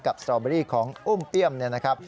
กับสตรอเบอร์รี่ของอุ้มเปี้ยมนะครับ